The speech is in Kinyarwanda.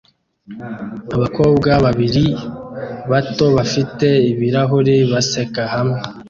Abakobwa babiri bato bafite ibirahure baseka hamwe